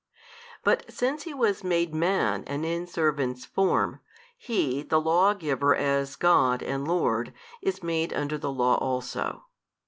But since He was made Man and in servant's form, He the Law giver as God and Lord is made under the Law also.